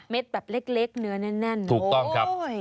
เม็ดแบบเล็กเนื้อแน่น